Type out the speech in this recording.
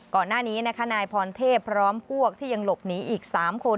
ก่อนหน้านี้นะคะนายพรเทพพร้อมพวกที่ยังหลบหนีอีก๓คน